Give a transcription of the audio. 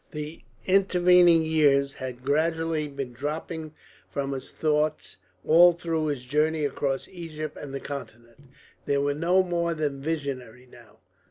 The intervening years had gradually been dropping from his thoughts all through his journey across Egypt and the Continent. They were no more than visionary now.